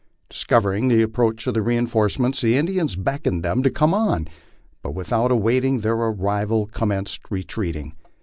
Discovering the approach of the reinforcements, the In dians beckoned them to come on, but without awaiting their arrival commenced retreating.